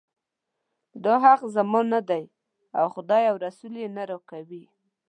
دا حق زما نه دی او خدای او رسول یې نه راکوي.